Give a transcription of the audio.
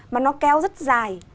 mà nó kéo rất dài